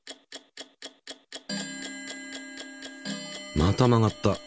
また曲がった。